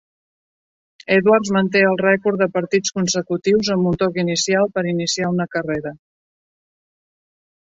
Edwards manté el rècord de partits consecutius amb un toc inicial per iniciar una carrera.